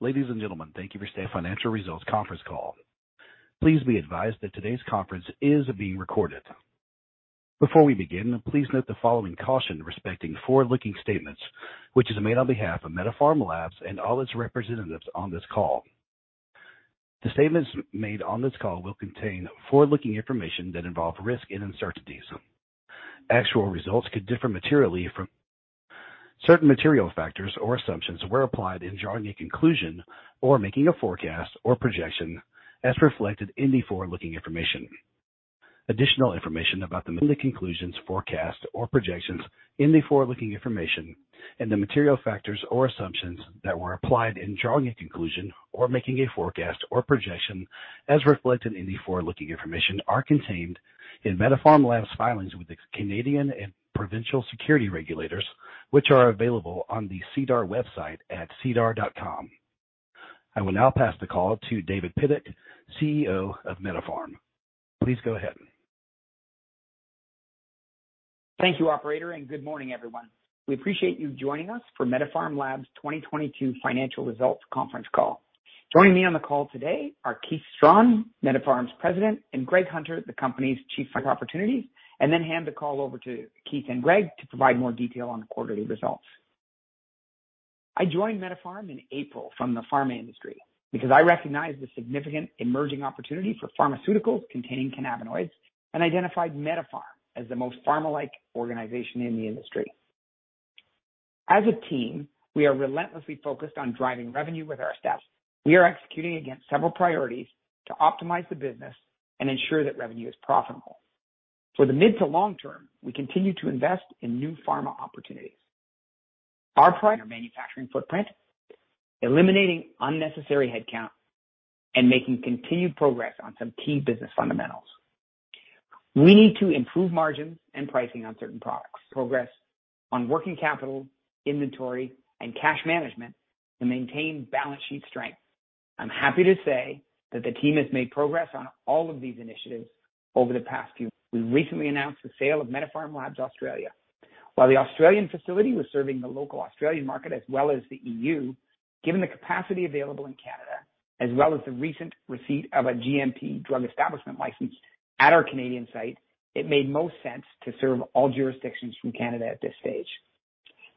Ladies and gentlemen, thank you for joining the Q2 Financial Results Conference Call. Please be advised that today's conference is being recorded. Before we begin, please note the following caution respecting forward-looking statements, which is made on behalf of MediPharm Labs and all its representatives on this call. The statements made on this call will contain forward-looking information that involve risk and uncertainties. Actual results could differ materially from. Certain material factors or assumptions were applied in drawing a conclusion or making a forecast or projection as reflected in the forward-looking information. Additional information about the conclusions, forecast, or projections in the forward-looking information and the material factors or assumptions that were applied in drawing a conclusion or making a forecast or projection as reflected in the forward-looking information are contained in MediPharm Labs' filings with the Canadian and provincial securities regulators, which are available on the SEDAR website at sedar.com. I will now pass the call to David Pidduck, CEO of MediPharm. Please go ahead. Thank you, operator, and good morning, everyone. We appreciate you joining us for MediPharm Labs's 2022 Financial Results Conference Call. Joining me on the call today are Keith Strachan, MediPharm's President, and Greg Hunter, the company's Chief Financial Officer. Then hand the call over to Keith and Greg to provide more detail on the quarterly results. I joined MediPharm in April from the pharma industry because I recognized the significant emerging opportunity for pharmaceuticals containing cannabinoids and identified MediPharm as the most pharma-like organization in the industry. As a team, we are relentlessly focused on driving revenue with our staff. We are executing against several priorities to optimize the business and ensure that revenue is profitable. For the mid- to long-term, we continue to invest in new pharma opportunities. Reducing our prior manufacturing footprint, eliminating unnecessary headcount, and making continued progress on some key business fundamentals. We need to improve margins and pricing on certain products. Progress on working capital, inventory, and cash management to maintain balance sheet strength. I'm happy to say that the team has made progress on all of these initiatives over the past few. We recently announced the sale of MediPharm Labs Australia. While the Australian facility was serving the local Australian market as well as the EU, given the capacity available in Canada, as well as the recent receipt of a GMP Drug Establishment License at our Canadian site, it made most sense to serve all jurisdictions from Canada at this stage.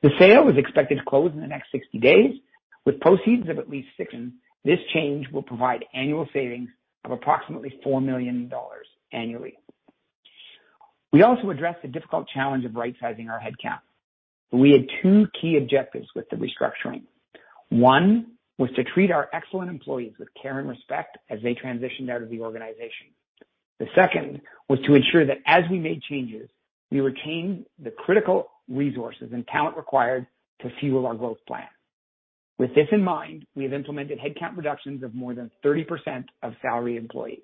The sale is expected to close in the next 60 days, with proceeds of at least 6.9 million. This change will provide annual savings of approximately 4 million dollars annually. We also addressed the difficult challenge of rightsizing our headcount. We had two key objectives with the restructuring. One was to treat our excellent employees with care and respect as they transitioned out of the organization. The second was to ensure that as we made changes, we retained the critical resources and talent required to fuel our growth plan. With this in mind, we have implemented headcount reductions of more than 30% of salaried employees.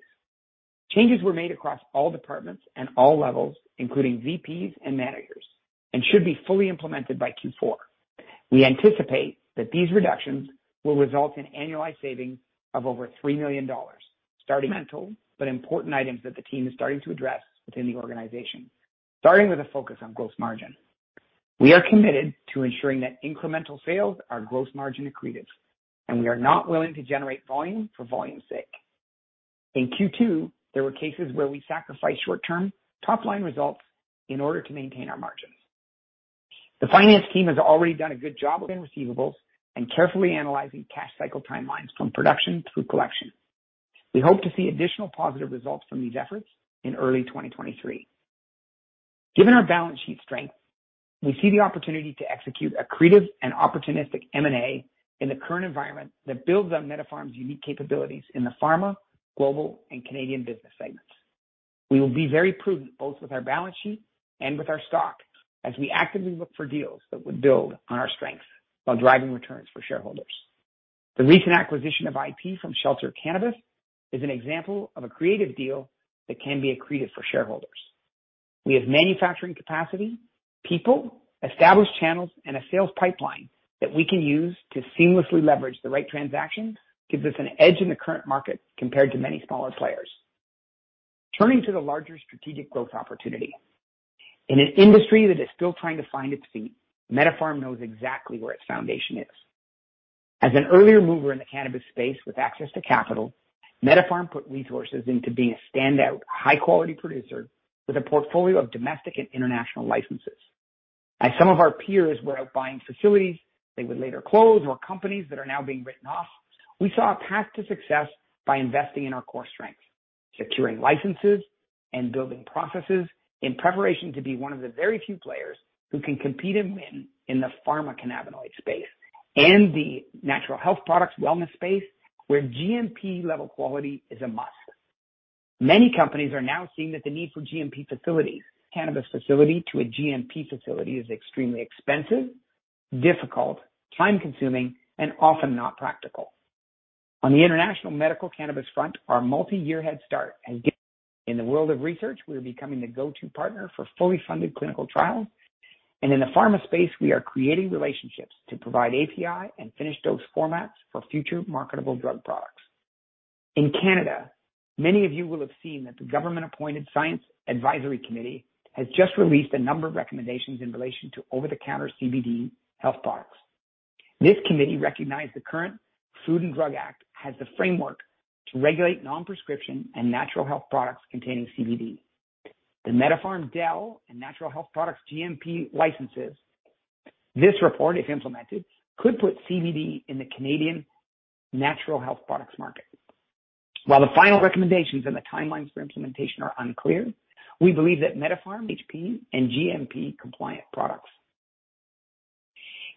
Changes were made across all departments and all levels, including VPs and managers, and should be fully implemented by Q4. We anticipate that these reductions will result in annualized savings of over 3 million dollars starting. Fundamental, but important items that the team is starting to address within the organization. Starting with a focus on gross margin. We are committed to ensuring that incremental sales are gross margin accretive, and we are not willing to generate volume for volume's sake. In Q2, there were cases where we sacrificed short-term top-line results in order to maintain our margins. The finance team has already done a good job with receivables and carefully analyzing cash cycle timelines from production through collection. We hope to see additional positive results from these efforts in early 2023. Given our balance sheet strength, we see the opportunity to execute accretive and opportunistic M&A in the current environment that builds on MediPharm's unique capabilities in the pharma, global, and Canadian business segments. We will be very prudent both with our balance sheet and with our stock as we actively look for deals that would build on our strengths while driving returns for shareholders. The recent acquisition of IP from Shelter Cannabis is an example of a creative deal that can be accretive for shareholders. We have manufacturing capacity, people, established channels, and a sales pipeline that we can use to seamlessly leverage the right transactions. This gives us an edge in the current market compared to many smaller players. Turning to the larger strategic growth opportunity. In an industry that is still trying to find its feet, MediPharm knows exactly where its foundation is. As an earlier mover in the cannabis space with access to capital, MediPharm put resources into being a standout high-quality producer with a portfolio of domestic and international licenses. As some of our peers were out buying facilities they would later close or companies that are now being written off, we saw a path to success by investing in our core strengths, securing licenses and building processes in preparation to be one of the very few players who can compete and win in the pharma cannabinoid space and the natural health products wellness space, where GMP level quality is a must. Many companies are now seeing that the need for GMP facilities. Converting a cannabis facility to a GMP facility is extremely expensive, difficult, time-consuming, and often not practical. On the international medical cannabis front, our multi-year head start has given. In the world of research, we are becoming the go-to partner for fully funded clinical trials. In the pharma space, we are creating relationships to provide API and finished dose formats for future marketable drug products. In Canada, many of you will have seen that the government-appointed Science Advisory Committee has just released a number of recommendations in relation to over-the-counter CBD health products. This committee recognized the current Food and Drugs Act has the framework to regulate non-prescription and natural health products containing CBD. The MediPharm DEL and Natural Health Products GMP licenses. This report, if implemented, could put CBD in the Canadian natural health products market. While the final recommendations and the timelines for implementation are unclear, we believe that MediPharm, NHP, and GMP-compliant products.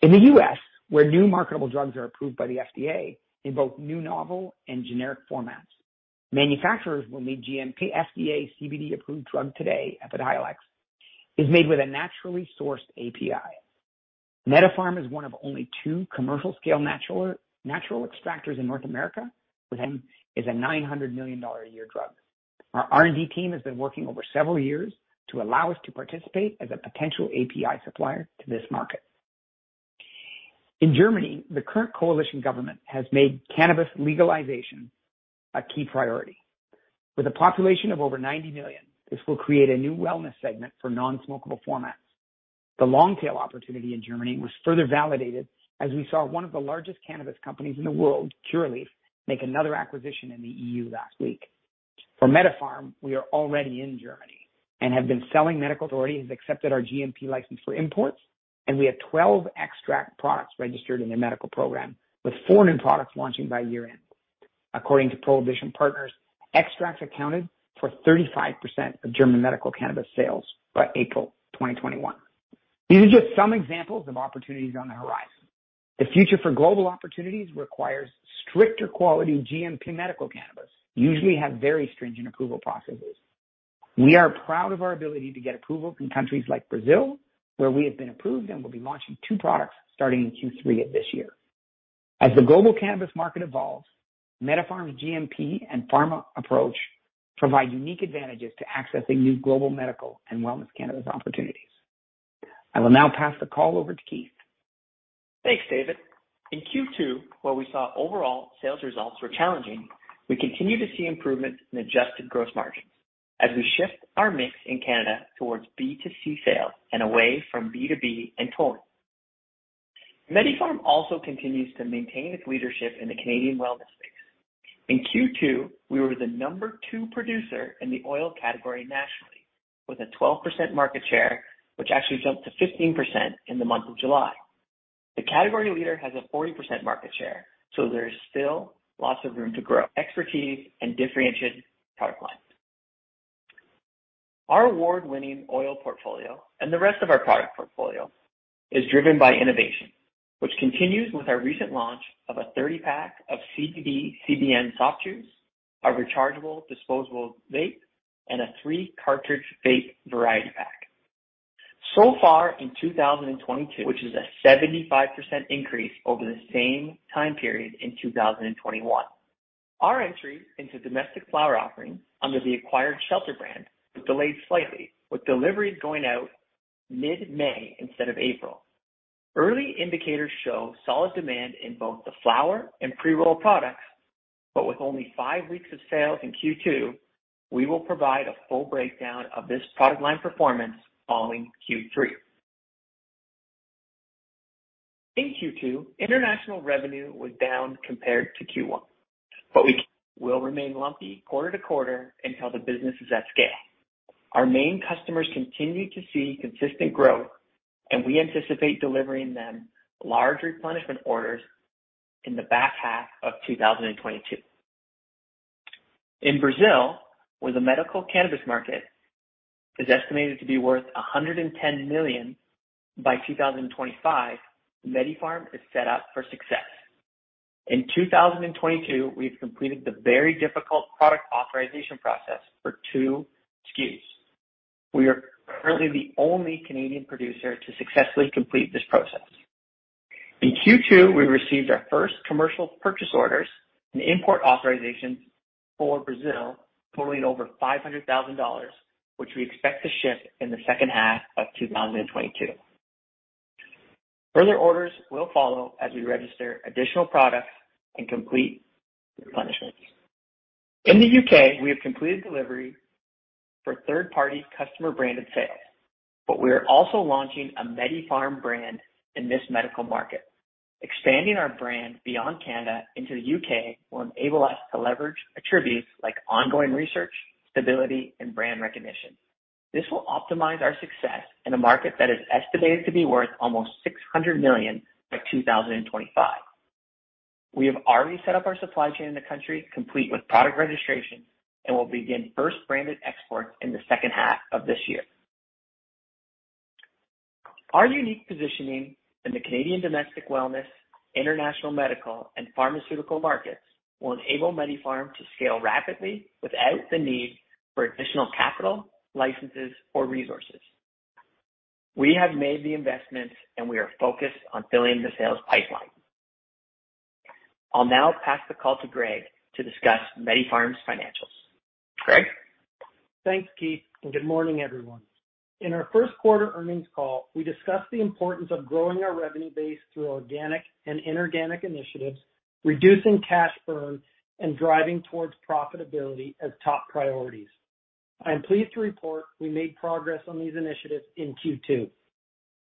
In the U.S., where new marketable drugs are approved by the FDA in both new novel and generic formats, manufacturers will need GMP. FDA CBD-approved drug today, Epidiolex, is made with a naturally sourced API. MediPharm is one of only two commercial-scale natural extractors in North America. It is a 900 million dollar a year drug. Our R&D team has been working over several years to allow us to participate as a potential API supplier to this market. In Germany, the current coalition government has made cannabis legalization a key priority. With a population of over 90 million, this will create a new wellness segment for non-smokable formats. The long-tail opportunity in Germany was further validated as we saw one of the largest cannabis companies in the world, Curaleaf, make another acquisition in the EU last week. For MediPharm, we are already in Germany and have been selling medical. The authority has accepted our GMP license for imports, and we have 12 extract products registered in their medical program, with four new products launching by year-end. According to Prohibition Partners, extracts accounted for 35% of German medical cannabis sales by April 2021. These are just some examples of opportunities on the horizon. The future for global opportunities requires stricter quality GMP medical cannabis, usually have very stringent approval processes. We are proud of our ability to get approval from countries like Brazil, where we have been approved and will be launching two products starting in Q3 of this year. As the global cannabis market evolves, MediPharm Labs's GMP and pharma approach provide unique advantages to accessing new global medical and wellness cannabis opportunities. I will now pass the call over to Keith. Thanks, David. In Q2, where we saw overall sales results were challenging, we continue to see improvements in adjusted gross margins as we shift our mix in Canada towards B2C sales and away from B2B and tolling. MediPharm also continues to maintain its leadership in the Canadian wellness space. In Q2, we were the number two producer in the oil category nationally, with a 12% market share, which actually jumped to 15% in the month of July. The category leader has a 40% market share, so there is still lots of room to grow. Expertise and differentiated product lines. Our award-winning oil portfolio and the rest of our product portfolio is driven by innovation, which continues with our recent launch of a 30-pack of CBD, CBN soft chews, a rechargeable disposable vape, and a three-cartridge vape variety pack. Far in 2022, which is a 75% increase over the same time period in 2021. Our entry into domestic flower offerings under the acquired Shelter brand was delayed slightly, with deliveries going out mid-May instead of April. Early indicators show solid demand in both the flower and pre-roll products, but with only five weeks of sales in Q2, we will provide a full breakdown of this product line performance following Q3. In Q2, international revenue was down compared to Q1, but we will remain lumpy quarter to quarter until the business is at scale. Our main customers continued to see consistent growth, and we anticipate delivering them large replenishment orders in the back half of 2022. In Brazil, where the medical cannabis market is estimated to be worth 110 million by 2025, MediPharm is set up for success. In 2022, we've completed the very difficult product authorization process for two SKUs. We are currently the only Canadian producer to successfully complete this process. In Q2, we received our first commercial purchase orders and import authorizations for Brazil totaling over 500,000 dollars, which we expect to ship in the second half of 2022. Further orders will follow as we register additional products and complete replenishments. In the U.K., we have completed delivery for third-party customer-branded sales, but we are also launching a MediPharm brand in this medical market. Expanding our brand beyond Canada into the U.K. will enable us to leverage attributes like ongoing research, stability, and brand recognition. This will optimize our success in a market that is estimated to be worth almost 600 million by 2025. We have already set up our supply chain in the country, complete with product registration, and will begin first branded exports in the second half of this year. Our unique positioning in the Canadian domestic wellness, international medical, and pharmaceutical markets will enable MediPharm Labs to scale rapidly without the need for additional capital, licenses, or resources. We have made the investments, and we are focused on filling the sales pipeline. I'll now pass the call to Greg to discuss MediPharm Labs's financials. Greg? Thanks, Keith, and good morning, everyone. In our Q1 Earnings Call, we discussed the importance of growing our revenue base through organic and inorganic initiatives, reducing cash burn, and driving towards profitability as top priorities. I'm pleased to report we made progress on these initiatives in Q2.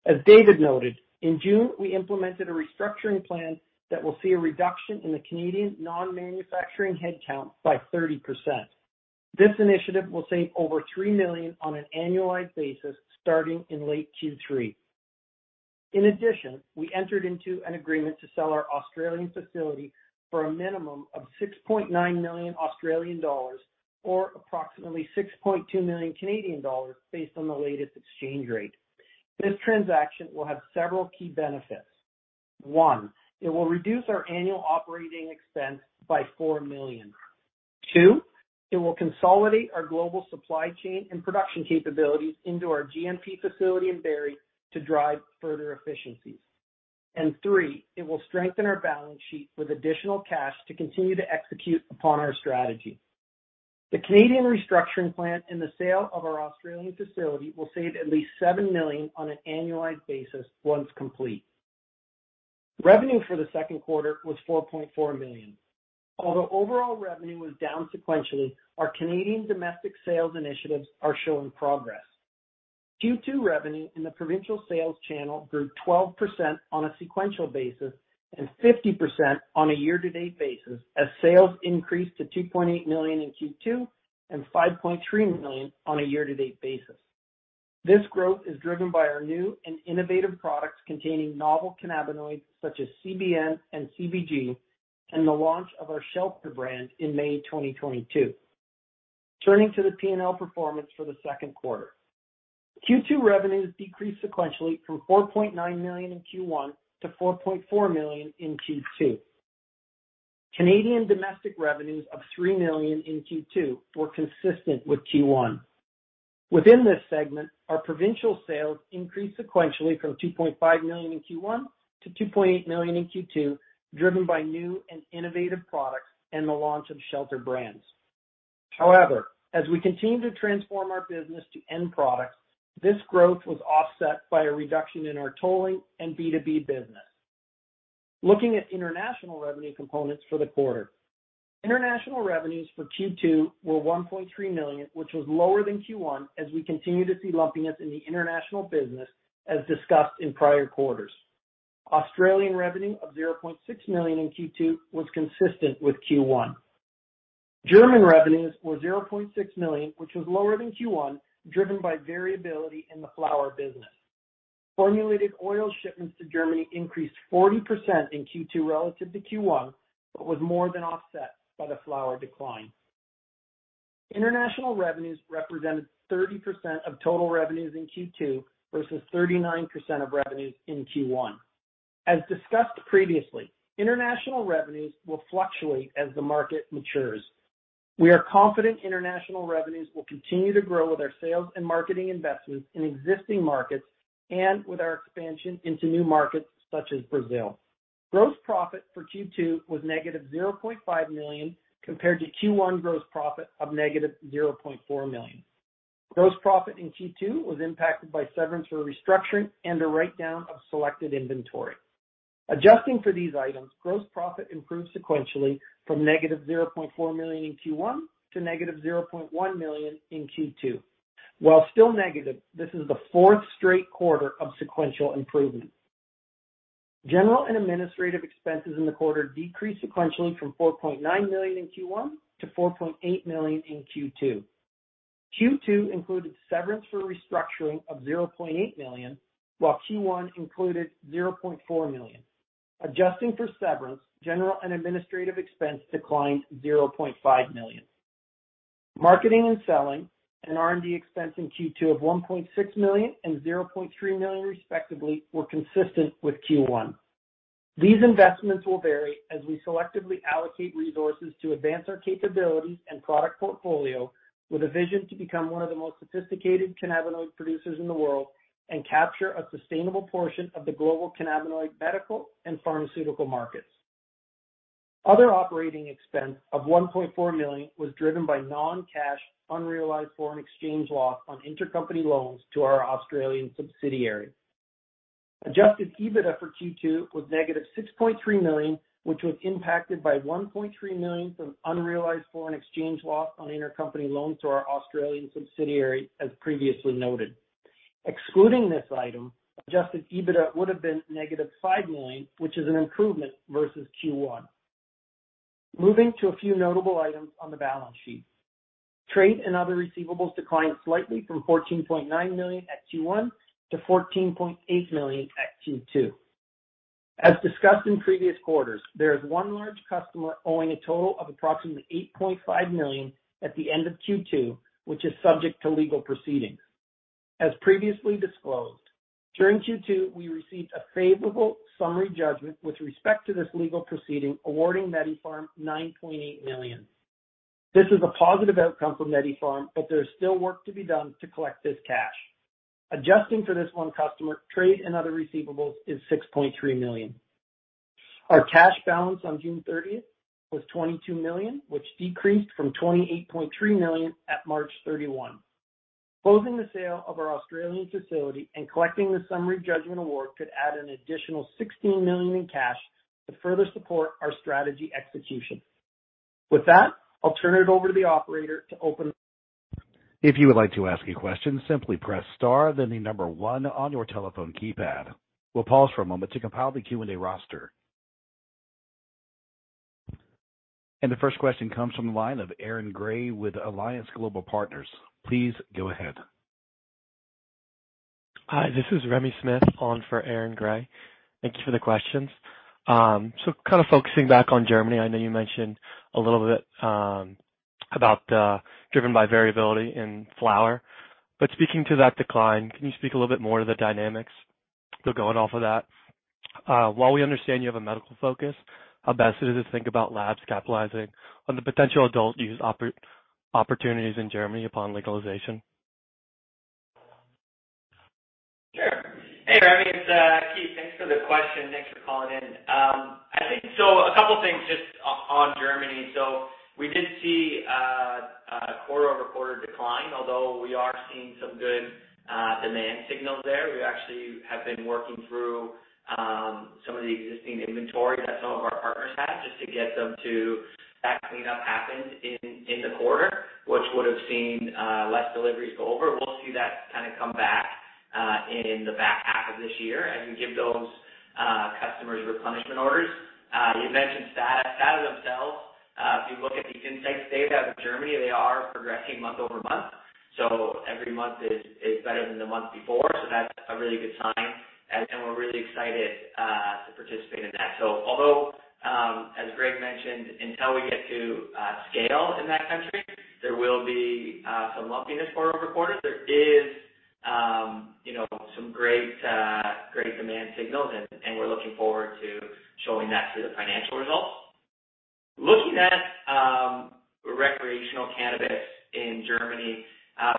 As David noted, in June, we implemented a restructuring plan that will see a reduction in the Canadian non-manufacturing headcount by 30%. This initiative will save over 3 million on an annualized basis starting in late Q3. In addition, we entered into an agreement to sell our Australian facility for a minimum of 6.9 million Australian dollars or approximately 6.2 million based on the latest exchange rate. This transaction will have several key benefits. One, it will reduce our annual operating expense by 4 million. Two, it will consolidate our global supply chain and production capabilities into our GMP facility in Barrie to drive further efficiencies. Three, it will strengthen our balance sheet with additional cash to continue to execute upon our strategy. The Canadian restructuring plan and the sale of our Australian facility will save at least 7 million on an annualized basis once complete. Revenue for Q2 was 4.4 million. Although overall revenue was down sequentially, our Canadian domestic sales initiatives are showing progress. Q2 revenue in the provincial sales channel grew 12% on a sequential basis and 50% on a year-to-date basis as sales increased to 2.8 million in Q2 and 5.3 million on a year-to-date basis. This growth is driven by our new and innovative products containing novel cannabinoids such as CBN and CBG and the launch of our Shelter brand in May 2022. Turning to the P&L performance for Q2. Q2 revenues decreased sequentially from 4.9 million in Q1 to 4.4 million in Q2. Canadian domestic revenues of 3 million in Q2 were consistent with Q1. Within this segment, our provincial sales increased sequentially from 2.5 million in Q1 to 2.8 million in Q2, driven by new and innovative products and the launch of Shelter brands. However, as we continue to transform our business to end products, this growth was offset by a reduction in our tolling and B2B business. Looking at international revenue components for the quarter. International revenues for Q2 were 1.3 million, which was lower than Q1, as we continue to see lumpiness in the international business as discussed in prior quarters. Australian revenue of 0.6 million in Q2 was consistent with Q1. German revenues were 0.6 million, which was lower than Q1, driven by variability in the flower business. Formulated oil shipments to Germany increased 40% in Q2 relative to Q1, but was more than offset by the flower decline. International revenues represented 30% of total revenues in Q2 versus 39% of revenues in Q1. As discussed previously, international revenues will fluctuate as the market matures. We are confident international revenues will continue to grow with our sales and marketing investments in existing markets and with our expansion into new markets such as Brazil. Gross profit for Q2 was -0.5 compared to Q1 gross profit of -0.4 million. Gross profit in Q2 was impacted by severance for restructuring and a write-down of selected inventory. Adjusting for these items, gross profit improved sequentially from -0.4 million in Q1 to -0.1 million in Q2. While still negative, this is the fourth straight quarter of sequential improvement. General and administrative expenses in the quarter decreased sequentially from 4.9 million in Q1 to 4.8 million in Q2. Q2 included severance for restructuring of 0.8 million, while Q1 included 0.4 million. Adjusting for severance, general and administrative expense declined 0.5 million. Marketing and selling and R&D expense in Q2 of 1.6 and 0.3 million respectively were consistent with Q1. These investments will vary as we selectively allocate resources to advance our capabilities and product portfolio with a vision to become one of the most sophisticated cannabinoid producers in the world and capture a sustainable portion of the global cannabinoid medical and pharmaceutical markets. Other operating expense of 1.4 million was driven by non-cash unrealized foreign exchange loss on intercompany loans to our Australian subsidiary. Adjusted EBITDA for Q2 was -6.3 million, which was impacted by 1.3 million from unrealized foreign exchange loss on intercompany loans to our Australian subsidiary, as previously noted. Excluding this item, Adjusted EBITDA would have been -5 million, which is an improvement versus Q1. Moving to a few notable items on the balance sheet. Trade and other receivables declined slightly from 14.9 at Q1 to 14.8 million at Q2. As discussed in previous quarters, there is one large customer owing a total of approximately 8.5 million at the end of Q2, which is subject to legal proceedings. As previously disclosed, during Q2, we received a favorable summary judgment with respect to this legal proceeding, awarding MediPharm 9.8 million. This is a positive outcome for MediPharm, but there is still work to be done to collect this cash. Adjusting for this one customer, trade and other receivables is 6.3 million. Our cash balance on June 30 was 22 million, which decreased from 28.3 million at March 31. Closing the sale of our Australian facility and collecting the summary judgment award could add an additional 16 million in cash to further support our strategy execution. With that, I'll turn it over to the operator to open. If you would like to ask a question, simply press star, then the number one on your telephone keypad. We'll pause for a moment to compile the Q&A roster. The first question comes from the line of Aaron Grey with Alliance Global Partners. Please go ahead. Hi, this is Remy Smith on for Aaron Grey. Thank you for the questions. Kind of focusing back on Germany, I know you mentioned a little bit about the decline driven by variability in flower. Speaking to that decline, can you speak a little bit more to the dynamics that are going on with that? While we understand you have a medical focus, how best do you think about labs capitalizing on the potential adult use opportunities in Germany upon legalization? Sure. Hey, Remy, it's Keith. Thanks for the question. Thanks for calling in. I think a couple of things just on Germany. We did see a quarter-over-quarter decline, although we are seeing some good demand signals there. We actually have been working through some of the existing inventory that some of our partners had just to get them to that cleanup happened in the quarter, which would have seen less deliveries go over. We'll see that kind of come back in the back half of this year as we give those customers replenishment orders. You mentioned STADA themselves, if you look at the insights data in Germany, they are progressing month-over-month. Every month is better than the month before. That's a really good sign. We're really excited to participate in that. Although, as Greg mentioned, until we get to scale in that country, there will be some lumpiness quarter over quarter. There is, you know, some great demand signals, and we're looking forward to showing that through the financial results. Looking at recreational cannabis in Germany,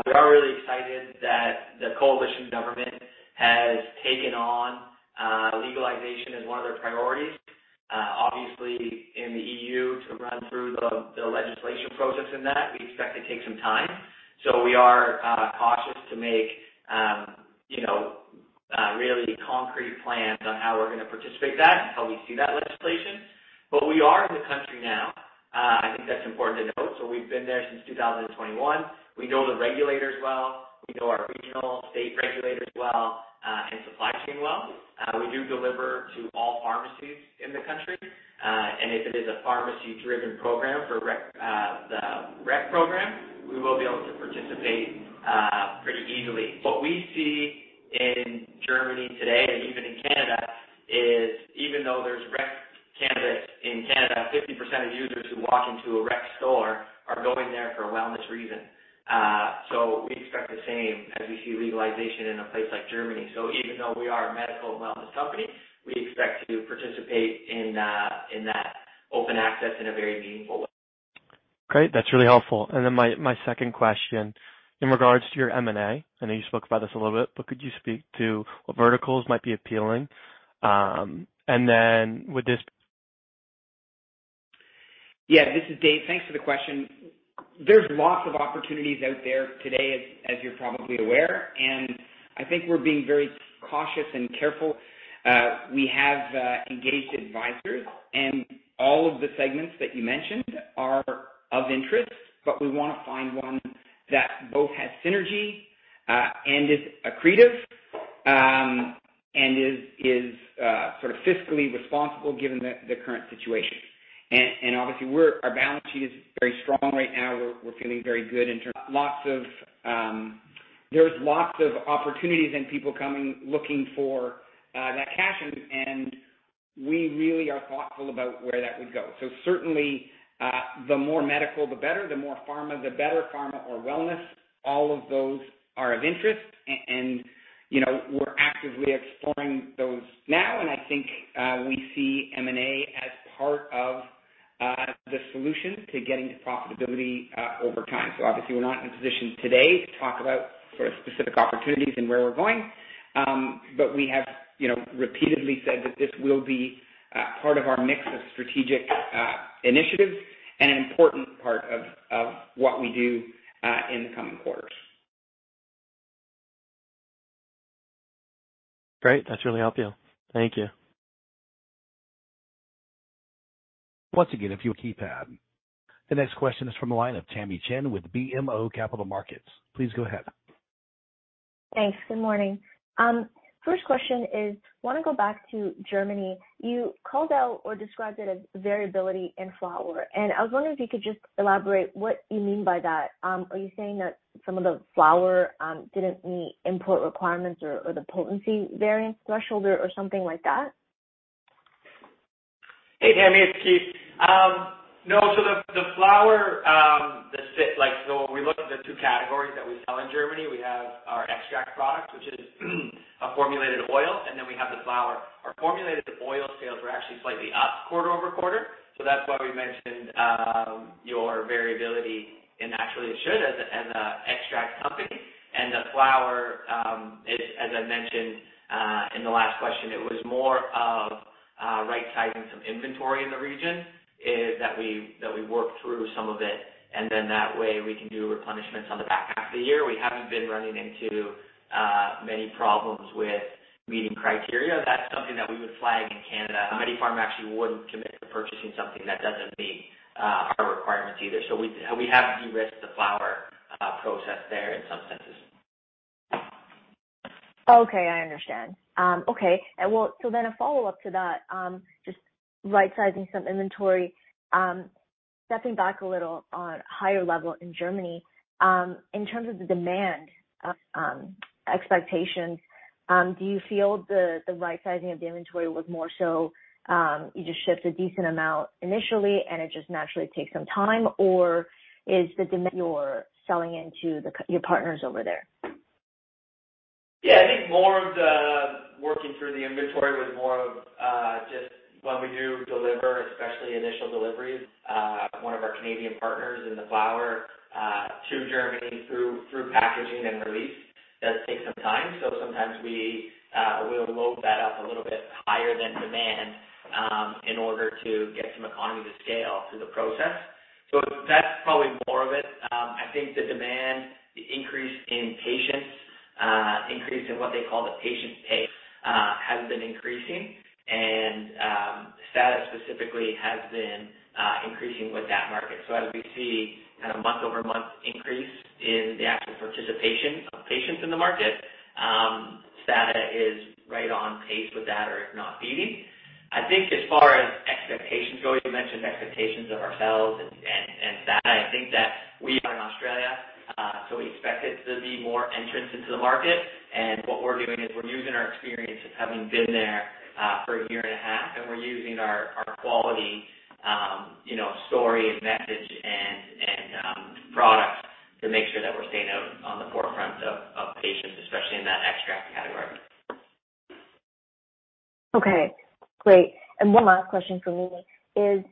we are really excited that the coalition government has taken on legalization as one of their priorities. Obviously in the EU to run through the legislation process in that we expect to take some time. We are cautious to make, you know, really concrete plans on how we're going to participate that until we see that legislation. We are in the country now. I think that's important to note. We've been there since 2021. We know the regulators well. We know our regional state regulators well, and supply chain well. We do deliver to all pharmacies in the country. And if it is a pharmacy-driven program for the rec program, we will be able to participate pretty easily. What we see in Germany today and even in Canada is even though there's rec cannabis in Canada, 50% of users who walk into a rec store are going there for a wellness reason. We expect the same as we see legalization in a place like Germany. Even though we are a medical and wellness company, we expect to participate in that open access in a very meaningful way. Great. That's really helpful. My second question in regards to your M&A, I know you spoke about this a little bit, but could you speak to what verticals might be appealing? Would this Yeah, this is Dave. Thanks for the question. There's lots of opportunities out there today, as you're probably aware, and I think we're being very cautious and careful. We have engaged advisors and all of the segments that you mentioned are of interest, but we want to find one that both has synergy and is accretive and is sort of fiscally responsible given the current situation. Obviously, our balance sheet is very strong right now. We're feeling very good in terms of lots of opportunities and people coming, looking for that cash, and we really are thoughtful about where that would go. Certainly, the more medical, the better. The more pharma, the better. Pharma or wellness, all of those are of interest. You know, we're actively exploring those now, and I think we see M&A as part of the solution to getting to profitability over time. Obviously, we're not in a position today to talk about sort of specific opportunities and where we're going. We have, you know, repeatedly said that this will be part of our mix of strategic initiatives and an important part of what we do in the coming quarters. Great. That's really helpful. Thank you. Once again, if you keypad. The next question is from the line of Tamy Chen with BMO Capital Markets. Please go ahead. Thanks. Good morning. First question is, want to go back to Germany. You called out or described it as variability in flower, and I was wondering if you could just elaborate what you mean by that. Are you saying that some of the flower didn't meet import requirements or the potency variance threshold or something like that? Hey, Tamy, it's Keith. No. The flower, like, so we look at the two categories that we sell in Germany. We have our extract product, which is a formulated oil, and then we have the flower. Our formulated oil sales were actually slightly up quarter-over-quarter. That's why we mentioned your variability. Naturally it should, as an extract company. The flower, as I mentioned in the last question, it was more of a right-sizing some inventory in the region that we work through some of it, and then that way we can do replenishments on the back half of the year. We haven't been running into many problems with meeting criteria. That's something that we would flag in Canada. MediPharm actually wouldn't commit to purchasing something that doesn't meet our requirements either. We have de-risked the flower process there in some senses. Okay, I understand. A follow-up to that, just right-sizing some inventory. Stepping back a little at a higher level in Germany, in terms of the demand expectations, do you feel the right-sizing of the inventory was more so you just shipped a decent amount initially and it just naturally takes some time? Or is the demand you're selling into your partners over there? Yeah. I think more of the working through the inventory was more of, just when we do deliver, especially initial deliveries, one of our Canadian partners in the flower, to Germany through packaging and release, does take some time. Sometimes we'll load that up a little bit higher than demand, in order to get some economies of scale through the process. That's probably more of it. I think the demand, the increase in patients, increase in what they call the patient base, has been increasing and, STADA specifically has been, increasing with that market. As we see kind of month-over-month increase in the actual participation of patients in the market, STADA is right on pace with that or if not beating. I think as far as expectations go, you mentioned expectations of ourselves and STADA. I think that we are in Australia, so we expect it to be more entrants into the market. What we're doing is we're using our experience of having been there for 1.5 years, and we're using our quality, you know, story and message and products to make sure that we're staying out on the forefront of patients, especially in that extract category. Okay, great. One last question from me is,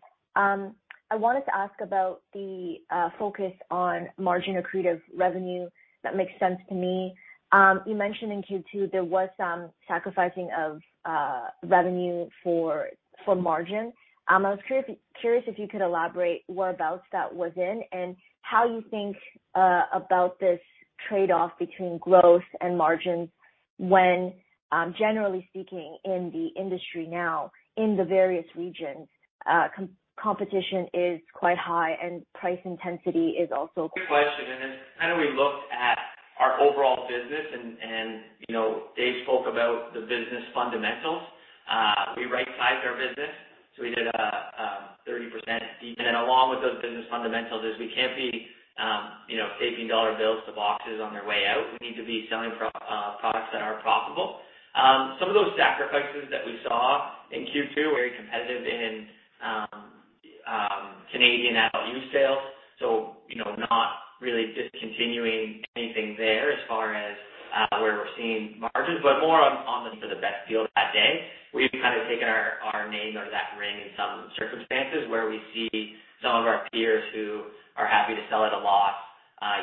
I wanted to ask about the focus on margin accretive revenue. That makes sense to me. You mentioned in Q2 there was some sacrificing of revenue for margin. I was curious if you could elaborate whereabouts that was in and how you think about this trade-off between growth and margins when, generally speaking, in the industry now in the various regions, competition is quite high and price intensity is also. Good question. We looked at our overall business and you know, David spoke about the business fundamentals. We right-sized our business. We did a 30% deep. Along with those business fundamentals is we can't be you know, taping dollar bills to boxes on their way out. We need to be selling products that are profitable. Some of those sacrifices that we saw in Q2, very competitive in Canadian LP sales. You know, not really discontinuing anything there as far as where we're seeing margins, but more on to the best deal that day. We've kind of taken our name out of the ring in some circumstances where we see some of our peers who are happy to sell at a loss,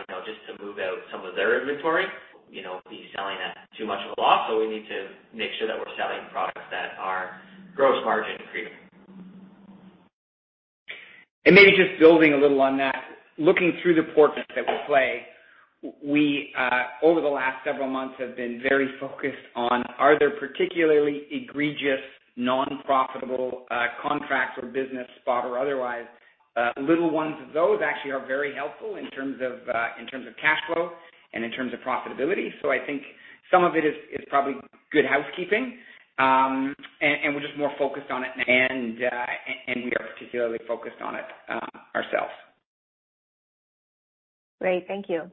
you know, just to move out some of their inventory, you know, be selling at too much of a loss. We need to make sure that we're selling products that are gross margin accretive. Maybe just building a little on that. Looking through the portfolio that we play, we over the last several months have been very focused on are there particularly egregious non-profitable contracts or business spot or otherwise little ones. Those actually are very helpful in terms of in terms of cash flow and in terms of profitability. I think some of it is probably good housekeeping. We're just more focused on it and we are particularly focused on it ourselves. Great. Thank you.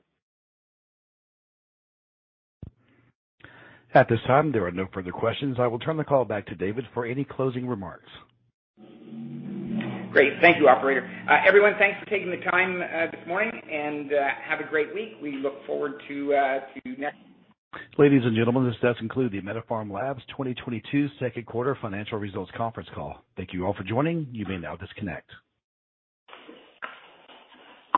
At this time, there are no further questions. I will turn the call back to David for any closing remarks. Great. Thank you, operator. Everyone, thanks for taking the time this morning and have a great week. We look forward to next. Ladies and gentlemen, this does conclude the MediPharm Labs 2022 Q2 Financial Results Conference Call. Thank you all for joining. You may now disconnect.